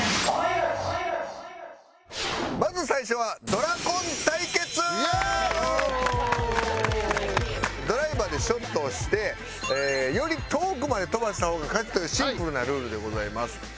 ドライバーでショットをしてより遠くまで飛ばした方が勝ちというシンプルなルールでございます。